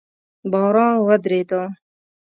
باران ودرېده